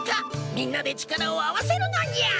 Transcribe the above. みんなで力を合わせるのにゃ！